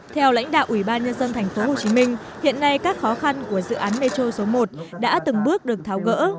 theo lãnh đạo ủy ban nhân dân thành phố hồ chí minh hiện nay các khó khăn của dự án metro số một đã từng bước được tháo gỡ